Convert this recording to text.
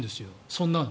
そんなの。